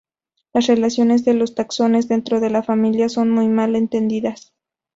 Las relaciones de los taxones dentro de la familia son muy mal entendidas.